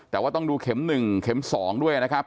แต่ว่าต้องดูเข็ม๑เข็ม๒ด้วยนะครับ